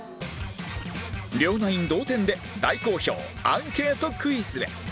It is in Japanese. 両ナイン同点で大好評アンケートクイズへ